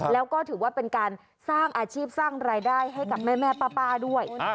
แล้วก็ถือว่าเป็นการสร้างอาชีพสร้างรายได้ให้กับแม่ป้าด้วย